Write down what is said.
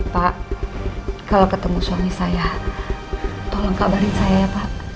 pak kalau ketemu suami saya tolong kabarin saya ya pak